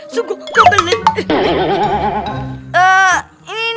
lukman gak mau lihat